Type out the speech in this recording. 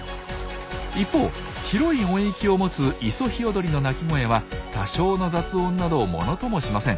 一方広い音域を持つイソヒヨドリの鳴き声は多少の雑音などものともしません。